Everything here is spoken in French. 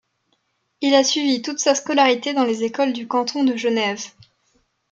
Il a suivi toute sa scolarité dans les écoles du canton de Genève.